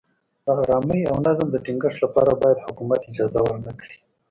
د ارامۍ او نظم د ټینګښت لپاره باید حکومت اجازه ورنه کړي.